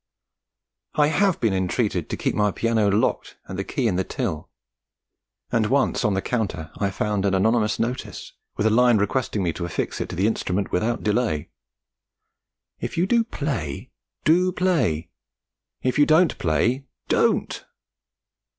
I have been entreated to keep my piano locked and the key in the till; and once on the counter I found an anonymous notice, with a line requesting me to affix it to the instrument without delay: 'If you do play, do play If you don't play, don't!'